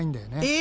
え！